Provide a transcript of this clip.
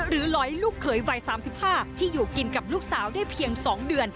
หรือร้อยลูกเคยวัยสามสิบห้าที่อยู่กินกับลูกสาวได้เพียงสองเดือน